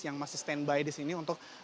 yang masih standby disini untuk